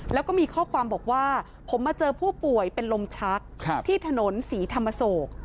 แล้วก็มีข้อความบอกว่าผมมาเจอผู้ป่วยเป็นลมชักที่ถนนศรีธรรมโศก